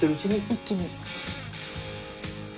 一気に？